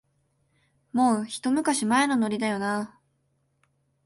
もう、ひと昔前のノリだよなあ